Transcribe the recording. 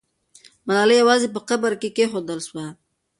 ملالۍ یوازې په یو قبر کې کښېښودل سوه.